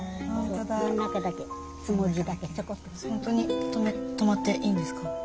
本当に泊まっていいんですか？